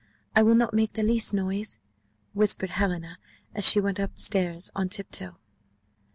I will not make the least noise," whispered Helena, as she went up stairs on tiptoe.